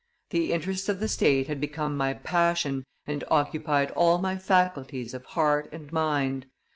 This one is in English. The interests of the state had become my passion and occupied all my faculties of heart and mind.